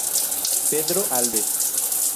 Pedro Alves